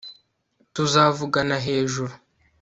tuzavugana hejuru